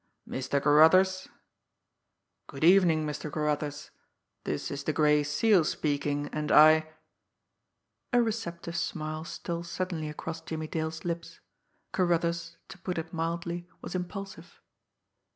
"Mr. Carruthers? ... Good evening, Mr. Carruthers this is the Gray Seal speaking, and I " A receptive smile stole suddenly across Jimmie Dale's lips Carruthers, to put it mildly, was impulsive.